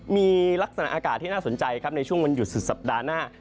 มีลักษณะอากาศที่น่าสนใจครับในช่วงวันหยุดสุดสัปดาห์หน้า